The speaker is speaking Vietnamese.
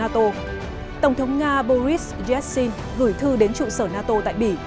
tổng thống nga boris yassin gửi thư đến trụ sở nato tại bỉ